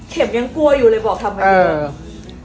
เข็มยังกลัวอยู่เลยบอกทำมาเยอะ